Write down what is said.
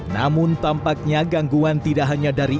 namun tampaknya gangguan tidak hanya dalam hal ini